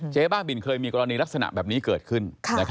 บ้าบินเคยมีกรณีลักษณะแบบนี้เกิดขึ้น